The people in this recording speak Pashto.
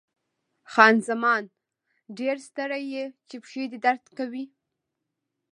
خان زمان: ډېر ستړی یې، چې پښې دې درد کوي؟